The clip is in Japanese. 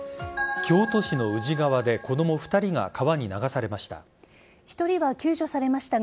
京都市の宇治川で子供２人が川に流されました。